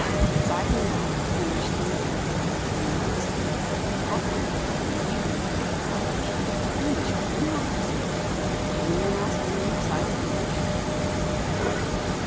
As I went out, Hamish came in. Then, you say, Yorke went out; and you, to get to college, left Hamish keeping office! Did any one else come in besides Hamish?"